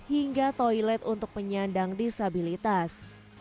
hingga toilet untuk penyandang disabilitas